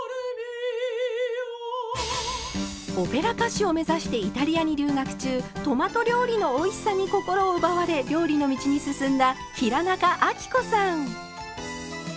オペラ歌手を目指してイタリアに留学中トマト料理のおいしさに心を奪われ料理の道に進んだ平仲亜貴子さん。